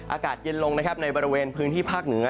อากาศเย็นลงนะครับในบริเวณพื้นที่ภาคเหนือ